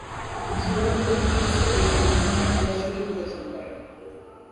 অংশগ্রহণকৃত দুই টেস্টে বেশ দূর্বলমানের ক্রীড়াশৈলী প্রদর্শন করেন।